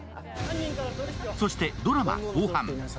そしてドラマ後半。